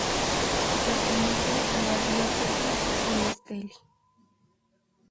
Pertenece a la Diócesis de Estelí.